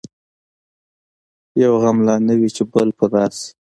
یو غم نه لا نه وي چي بل پر راسي